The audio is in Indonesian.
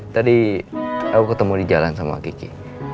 tadi aku ketemu di jalan sama kiki